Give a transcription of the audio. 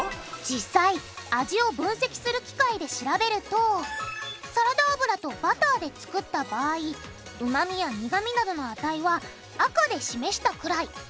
実際味を分析する機械で調べるとサラダ油とバターで作った場合旨味や苦味などの値は赤で示したくらい。